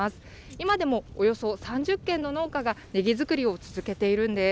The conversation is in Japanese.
今でもおよそ３０軒の農家がねぎ作りを続けているんです。